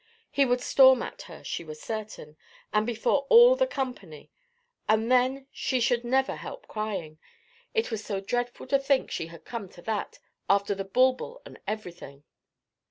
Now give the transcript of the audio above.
He would storm at her, she was certain; and before all the company; and then she should never help crying: it was so dreadful to think she had come to that, after the bulbul and everything!